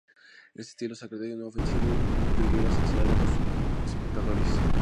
Este estilo sarcástico no ofensivo nunca hirió la sensibilidad de los espectadores.